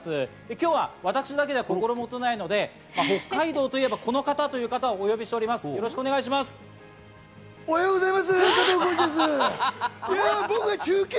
今日は私だけでは心もとないので、北海道といえば、この方というおはようございます。